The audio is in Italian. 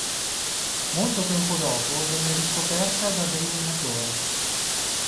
Molto tempo dopo venne riscoperta da dei minatori.